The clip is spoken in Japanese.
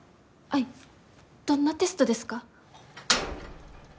アイどんなテストですか？